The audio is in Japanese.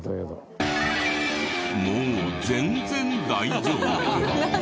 もう全然大丈夫。